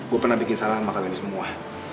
gua pernah bikin salah sama kalian semua